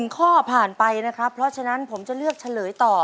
ข้อผ่านไปนะครับเพราะฉะนั้นผมจะเลือกเฉลยต่อ